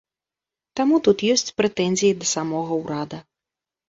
Таму тут ёсць прэтэнзіі да самога ўрада.